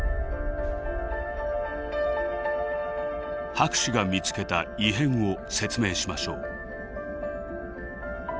博士が見つけた「異変」を説明しましょう。